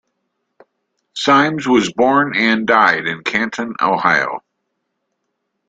Saimes was born and died in Canton, Ohio.